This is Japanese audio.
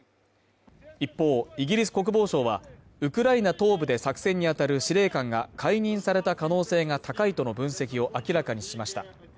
一方、イギリス国防省は、ウクライナ東部で作戦に当たる司令官が解任された可能性が高いとの分析を明らかにしました。